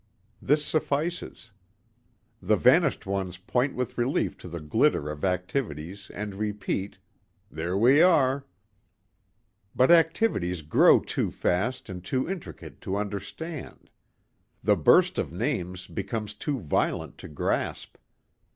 This suffices. The vanished ones point with relief to the glitter of activities and repeat, "There are we." But activities grow too fast and too intricate to understand. The burst of names becomes too violent to grasp.